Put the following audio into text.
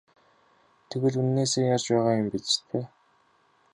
Тэгвэл үнэнээсээ ярьж байгаа юм биз дээ?